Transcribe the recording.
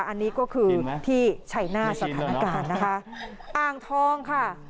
อันนี้ก็คือที่ชัยหน้าสถานการณ์นะคะอ่างทองค่ะ